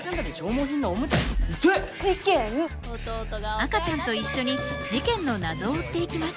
赤ちゃんと一緒に事件の謎を追っていきます。